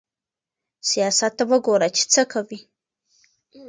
سياست ته وګوره چې څه کوي.